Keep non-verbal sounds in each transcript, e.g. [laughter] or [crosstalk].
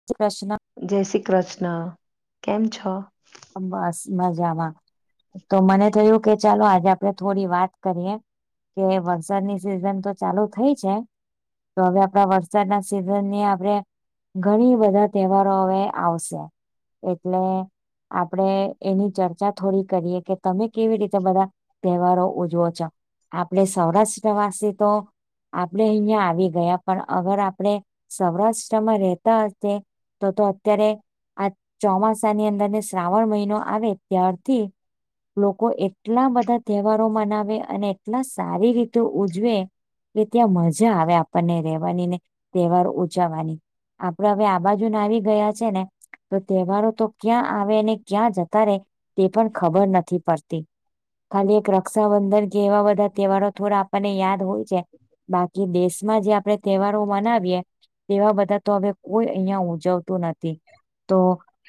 [unintelligible] જય શ્રી કૃષ્ણ, કેમ છો? બસ મજામાં. તો મને થયું કે ચાલો આજે આપડે થોડી વાત કરીએે. કે વરસાદની સિઝન તો ચાલુ થઈ છે. તો હવે આપડા વરસાદના સિઝન ને આપડે ઘણી બધા તહેવારો હવે આવશે એટલે આપડે એની ચર્ચા થોડી કરીએ કે તમે કેવી રીતે બધા તહેવારો ઉજવો છો. આપડ સૌરાષ્ટ્રવાસી તો આપણે અહિયાં આવી ગયા પણ અગર આપણે સૌરાષ્ટ્રમાં રહેતા હોતે તો તો અત્યારે આ ચોમાસાની અંદર નેસ શ્રાવણ મહિનો આવે ત્યારથી લોકો એટલા બધા તહેવારો મનાવે અને એટલા સારી રીતે ઉજવે કે ત્યાં મજા આવે આપણને રેવાની ને તહેવાર ઉજવવાની. આપડે હવે આ બાજુ ના આવી ગયા છે ને તો તહેવારો તો ક્યાં આવેને ક્યાં જતા રે તે પણ ખબર નથી પડતી. ખાલી એક રક્ષાબંધન કે એવા બધા તહેવારો થોડા આપણને યાદ હોય બાકી દેશમાં જે આપડે તહેવારો મનાવીએ તેવા બધા તો હવે કોઈ અહિયાં ઉજવતું નથી તો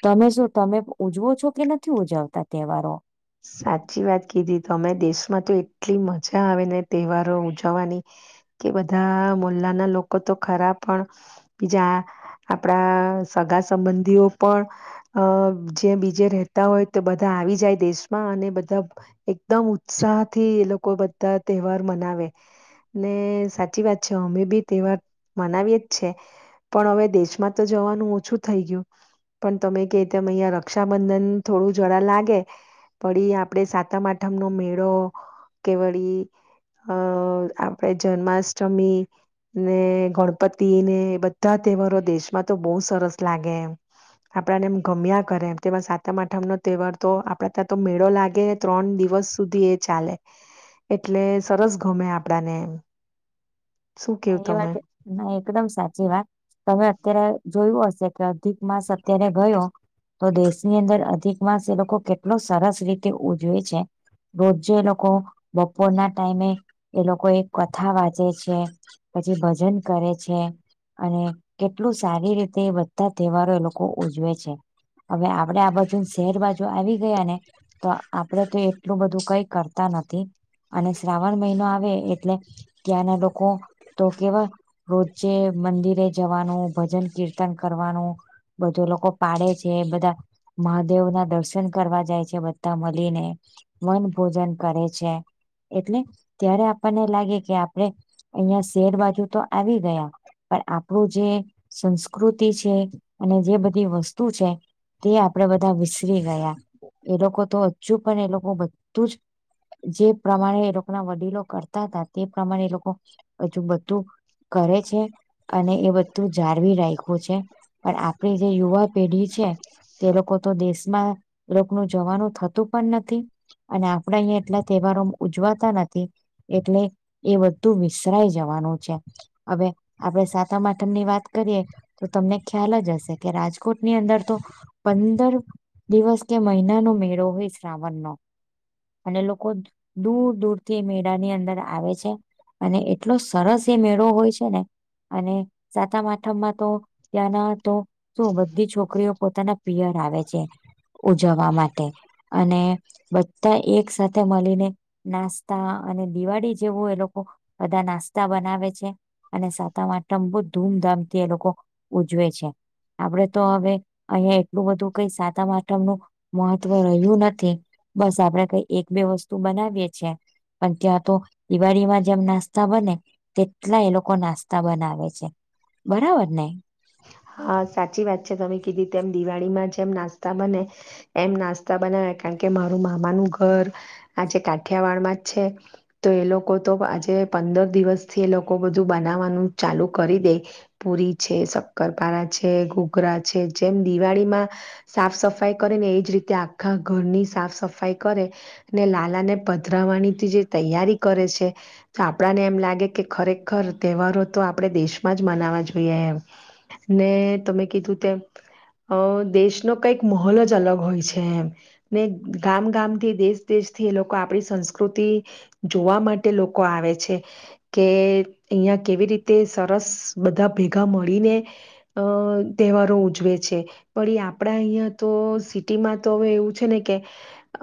તમે શું તમે ઉજવો છો કે નથી ઉજવતા તહેવારો? સાચી વાત કીધી તમે દેશમાં તો એટલી મજા આવે ને તહેવારો ઉજવવાની કે બધા મોલ્લાના લોકો તો ખરા પણ બીજા આપણા સગા સંબંધીઓ પણ અ જે બીજે રેતા હોય તો બધા આવી જાય દેશ માં અને બધા એકદમ ઉત્સાહ થી એ લોકો બધા તહેવાર મનાવે ને સાચી વાત છે અમે બી તહેવાર મનાવીએ જ છે. પણ હવે દેશમાં તો જવાનું ઓછું થઈ ગયું પણ તમે કે તેમ અહિયાં રક્ષાબંધન થોડું જરા લાગે વળી આપડે સાતમ આઠમનો મેળો કે વળી અ આપણે જન્માષ્ટમી ને ગણપતિ ને બધા તહેવારો દેશમાં તો બહુ સરસ લાગે એમ આપણાને એમ ગમ્યા કરે એમ તેમાં સાતમ આઠમ નો તહેવાર તો આપડા તો મેળો લાગેને ત્રણ દિવસ સુધી એ ચાલે એટલે સરસ ગમે આપડાને શું હા કેવું એ તમે વાત ના એકદમ સાચી વાત તમે અત્યારે જોયું હશે કે અધિક માસ અત્યારે ગયો તો દેશની અંદર અધિક માસ એ લોકો કેટલો સરસ રીતે ઉજવે છે. રોજે એ લોકો બપોર ના ટાઈમે એ લોકો એ કથા વાંચે છે. પછી ભજન કરે છે. અને કેટલું સારી રીતે બધા તહેવારો એ લોકો ઉજવે છે. હવે આપડે આ બાજુ શહેર બાજુ આવી ગયા ને તો આપડે તો એટલું બધું કઈ કરતા નથી અને શ્રાવણ મહિનો આવે એટલે ત્યાંના લોકો તો કેવા રોજે મંદિરે જવાનું ભજન કીર્તન કરવાનું બધો લોકો પાડે છે બધા મહાદેવ ના દર્શન કરવા જાય છે બધા મળીને વન ભોજન કરે છે એટલે ત્યારે આપણને લાગે કે આપડે અહિયાં શેર બાજુ તો આવી ગયા પણ આપણું જે સંસ્કૃતિ છે અને જે બધી વસ્તુ છે તે આપણેે બધા વિસરી ગયા એ લોકો તો હજુ પણ એ લોકો બધું જ જે પ્રમાણે એ લોકો ના વડીલો કરતા હતા તે પ્રમાણે એ લોકો હજુ બધું કરે છે. અને એ બધું જાળવી રાખ્યું છે પણ આપડી જે યુવા પેઢી છે તે લોકો તો દેશમાં એ લોકોનું જવાનું થતું પણ નથી અને આપડા અહીંયા એટલા તહેવારો ઉજવાતા નથી એટલે એ બધુ ઈસરાઈ જવાનું છે હવે આપડે સાતમ‌ આઠમ ની વાત કરીએ તો તમને ખ્યાલ જ હશે કે રાજકોટની અંદર તો પંદર દિવસ કે મહિના નો મેળો હોય શ્રાવણ નો અને લોકો દૂર દૂર થી મેળા ની અંદર આવે છે અને એટલો સરસ એ મેળો હોય છે ને અને સાતામ આઠમમાં તો ત્યાંના તો શું બધી છોકરીઓ પોતાના પિયર આવે છે ઉજવવા માટે અને બધા એક સાથે મળીને નાસ્તા અને દિવાળી જેવું એ લોકો બધા નાસ્તા બનાવે છે અને સાતમ આઠમ ધૂમધામથી એ લોકો ઉજવે છે આપડે તો હવે અહીયાં એટલું બધું કઈ સાતમ આઠમ નું મહત્વ રહ્યું નથી બસ આપડે કઈ એક બે વસ્તુ બનાવીએ છે પણ ત્યાં તો દિવાળીમાં જેમ ના નાસ્તા બને તેટલા એ લોકો નાસ્તા બનાવે છે બરાબર ને હા સાચી વાત છે તમે કીધી તેમ દિવાળીમાં જેમ નાસ્તા બને એમ નાસ્તા બનાવે, કારણ કે મારું મામાનું ઘર આજે કાઠિયાવાડમાં જ છે. તો એ લોકો તો આજે પંદર દિવસથી એ લોકો બધું બનાવાનું ચાલુ કરી દે. પુરી છે, શક્કરપારા છે, ઘૂઘરા છે. જેમ દિવાળીમાં સાફ સફાઈ કરે ને એજ રીતે આખા ઘરની સાફ સફાઈ કરે. ને લાલાને પધરાવાની તે જે તૈયારી કરે છે. તો આપણાને એમ લાગે કે ખરેખર તહેવારો તો આપણે દેશમાં જ મનાવા જોઈએ એમ. ને તમે કીધું તેમ અ દેશનો કઈક મહલ જ અલગ હોય છે એમ. ને ગામ ગામથી, દેશ દેશથી એ લોકો આપડી સંસ્કૃતિ જોવા માટે લોકો આવે છે. કે અહીંયા કેવી રીતે સરસ બધા ભેગા મળીને અ તહેવારો ઉજવે છે. પણ ઈ આપડા અહિયાં તો સિટીમાં તો હવે એવું છે ને કે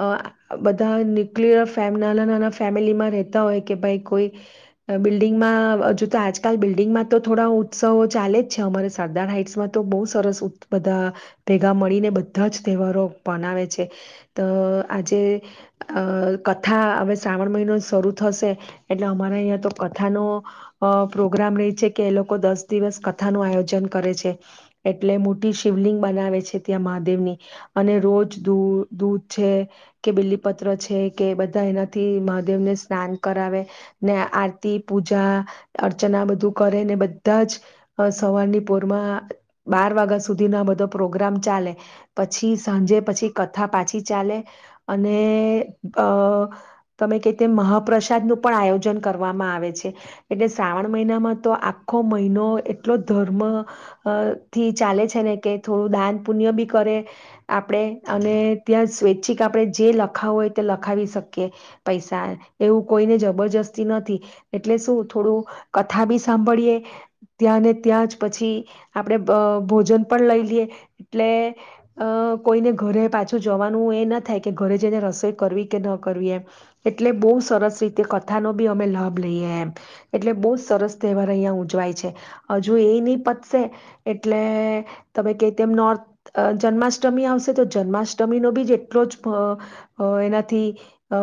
અ બધા ન્યુક્લયર ફેમ નાના નાના ફેમિલીમાં રહેતા હોય કે ભાઈ કોઈ બિલ્ડિંગમાં હજુ તો આજકાલ બિલ્ડિંગમાં તો થોડા ઉત્સવો ચાલે જ છે અમારે. સરદાર હાઈટ્સમાં તો બહુ સરસ બધા ભેગા મળીને બધા જ તહેવારો મનાવે છે. ત આજે અ કથા હવે શ્રાવણ મહિનો શરૂ થશે. એટલે અમારે અહિયાં તો કથાનો અ પ્રોગ્રામ રહે છે કે એ લોકો દસ દિવસ કથાનું આયોજન કરે છે. એટલે મોટી શિવલિંગ બનાવે છે ત્યાં મહાદેવની. અને રોજ દૂ દૂધ છે. કે બીલીપત્ર છે કે બધા એનાથી મહાદેવને સ્નાન કરાવે. ને આરતી, પૂજા, અર્ચના બધું કરે ને બધા જ અ સવારની પોરમાં બાર વાગા સુધીનો બધો પ્રોગ્રામ ચાલે. પછી સાંજે પછી કથા પાછી ચાલે અને અ તમે કેય તેમ મહાપ્રસાદનું પણ આયોજન કરવામાં આવે છે. એટલે શ્રાવણ મહિનામાં તો આખો મહિનો એટલો ધર્મ અ થી ચાલે છે ને કે થોડું દાન, પુણ્ય બી કરે. આપણે અને ત્યાં સ્વૈચ્છિક આપણે જે લખાવું હોય તે લખાવી શકીએ. પૈસા એવું કોઈને જબરજસ્તી નથી. એટલે શું થોડું કથા બી સાંભળીએ ત્યાંને ત્યાં જ પછી આપડે ભોજન પણ લઈ લઈએ એટલે અ કોઈને ઘરે પાછું જવાનું એ ના થાય કે ઘરે જઈને રસોઈ કરવી કે ન કરવી એમ. એટલે બહુ સરસ રીતે કથાનો બી અમે લાભ લઈએ એમ. એટલે બહુ સરસ તહેવાર અહિયાં ઉજવાય છે. હજુ એ નહીં પત સે એટલે તમે કેય તેમ નોર અ જન્માષ્ટમી આવશે તો જન્માષ્ટમીનો બી જ એટલો જ એનાથી અ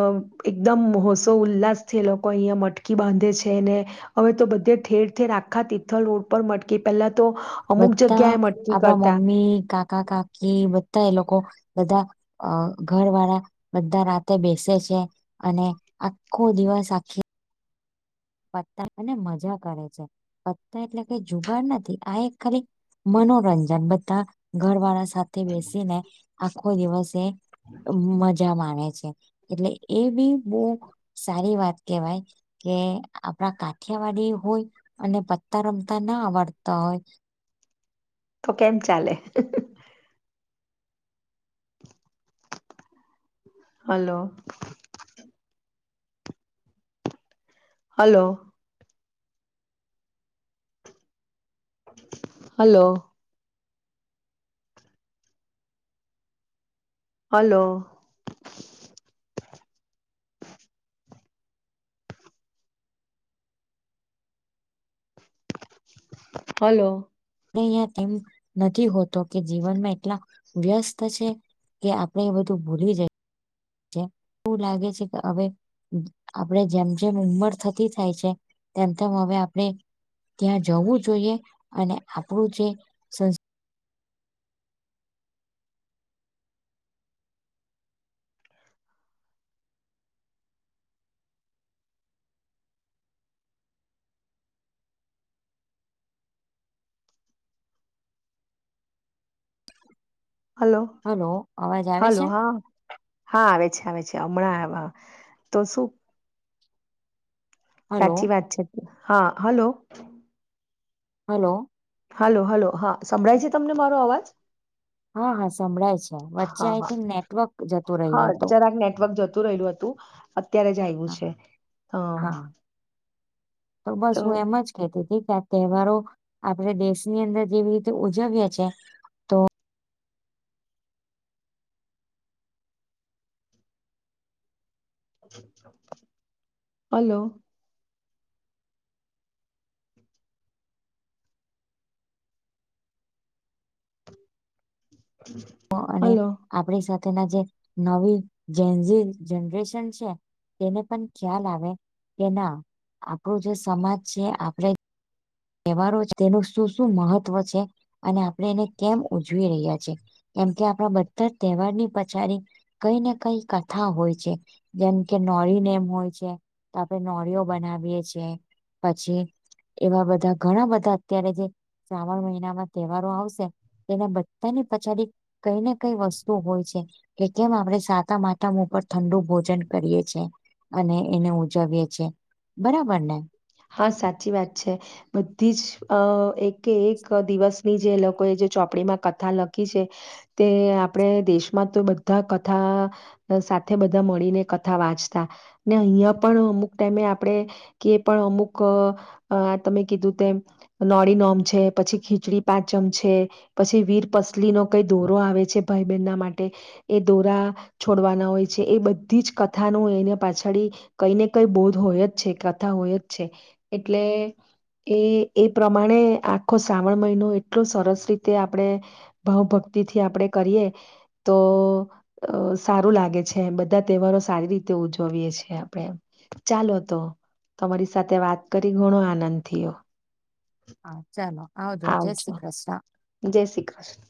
એકદમ હોશો ઉલ્લાસથી લોકો અહિયા મટકી બાંધે છે ને હવે તો બધે ઠેર ઠેર આખા તિથલ રોડ પર મટકી પેલા તો અમુક જગ્યાએ મટકી કરતા. ઈ કા કાકા કાકી બધા એ લોકો બધા અ ઘરવાળા બધા રાતે બેસે છે. અને આખો દિવસ આખી પત્તા અને મજા કરે છે. પત્તા એટલે કઈ જુગાર નથી. આ એક ખાલી મનોરંજન બધા ઘરવાળા સાથે બેસીને આખો દિવસ એ મજા માણે છે. એટલે એ બી બોવ સારી વાત કેવાય કે આપણા કાઠિયાવાડી હોય, અને પત્તા રમતા ન આવડતા હોય. તો કેમ ચાલે. Hello. Hello. Hello. Hello. Hello. અહ [unintelligible] કેમ નથી હોતો કે જીવનમાં એટલા વ્યસ્ત છે. કે આપણે એ બધું ભૂલી જાય એ એવું લાગે છે કે હવે આપડે જેમ જેમ ઉંમર થતી થાય છે તેમ તેમ હવે આપણે ત્યાં જવું જોઈએ અને આપણું જે સંસ્ હલો અવાજ આવે હલો છે હા. હા આવે છે આવે છે હમણાં તો શું? હલો સાચી વાત છે હા હલો. હલો હલો હલો હા સંભળાય છે તમને મારો અવાજ? હા હા સંભળાય છે વચ્ચે હા આઈ થિંક નેટવર્ક હ જતું રહ્યું હા હતું જરાક નેટવર્ક જતું રહેલું હતું તું અત્યારે જ આવ્યું હા છે હ હા તો બસ હું એમજ કેતી કે આ તહેવારો આપડે દેશની અંદર જેવી રીતે ઉજવીએ છે હલો અને હલો આપડી સાથે ના જે નવી જેન્ઝી જનરેશન છે તેને પણ ખ્યાલ આવે કે ના આપણો જે સમાજ છે આપણે તહેવારો છે તેનું શું શું મહત્વ છે અને આપણે એને કેમ ઉજવી રહ્યા છીએ? એમ કે આપણા બધા તહેવારની પછડી કઈ ને કઈ કથા હોય છે જેમ કે નોળીને એમ હોય છે તો આપણે નોળીઓ બનાવીયએ છે પછી એવા બધા ઘણા બધા અત્યારે જે શ્રાવણ મહિનામાં તહેવારો આવશે એના બધાની પછાડી કઈ ને કઈ વસ્તુ હોય છે કે કેમ આપણે સાતમ આ મ ઉપર ઠંડુ ભોજન કરીએ છે અને એને ઉજવીય છેએ બરાબર ને હા સાચી વાત છે. બધી જ અ એક કે એક દિવસની જે લોકોએ જે ચોપડીમાં કથા લખી છે. તે આપણેે દેશમાં તો બધા કથા સાથે બધા મળીને કથા વાંચતા ને અહિયાં પણ અમુક ટાઈમે આપણેે કે પણ અમુક આ તમે કીધું તેમ નોળી નોમ છે પછી ખીચડી પાંચમ છે. પછી વીર પસલી નો કઈ દોરો આવે છે ભાઈ બહેન ના માટે એ દોરા છોડવાના હોય છે એ બધી જ કથાનું એને પાછડી કઈ ને કઈ બોધ હોય જ છે કથા હોય જ છે એટલે એ એ પ્રમાણે આખો શ્રાવણ મહિનો એટલો સરસ રીતે આપણે ભાવ ભક્તિથી આપડે કરીએ તો અ સારું લાગે છે બધા તહેવારો સારી રીતે ઉજવીએ છીએ આપણે ચાલો તો તમારી સાથે વાત કરી ઘણો આનંદ થયો હા ચાલો આવજો જય શ્રી કૃષ્ણા જય શ્રી કૃષ્ણ